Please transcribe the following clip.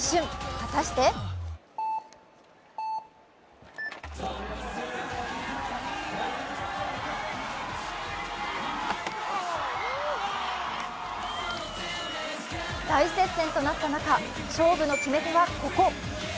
果たして大接戦となった中、勝負の決め手はここ。